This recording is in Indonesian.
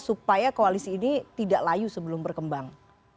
supaya koalisi ini tidak layu sebelum berkembang